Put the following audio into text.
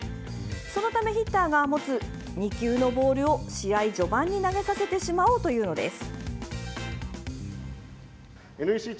そのためヒッターが持つ２球のボールを試合序盤に投げさせてしまおうというのです。